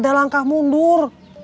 ndak ada langkah mundur